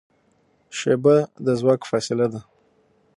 شیبه د ځواک فاصله ده.